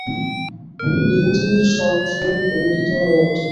বিনোদিনীর সর্বশরীর পুলকিত হইয়া উঠিল।